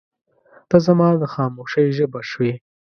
• ته زما د خاموشۍ ژبه شوې.